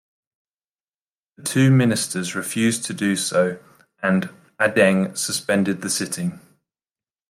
The two ministers refused to do so, and Adeang suspended the sitting.